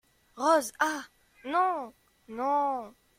Rose Ah ! non !… non !…